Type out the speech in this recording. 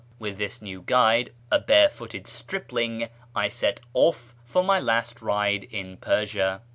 With this new guide, a barefooted stripling, I set off for my last ride in Persia.